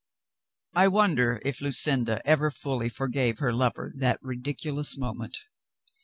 I wonder if Lucinda ever fully forgave her lover that ridiculous moment.